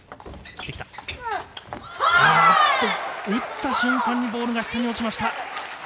打った瞬間にボールが下に落ちました。